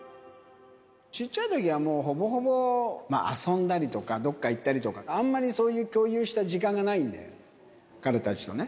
ちっちゃいときはもう、ほぼほぼ、遊んだりとか、どっか行ったりとか、あんまりそういう共有した時間がないんで、彼たちとね。